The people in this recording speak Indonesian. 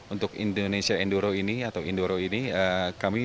untuk indonesia endoro ini atau indoro ini kami bikin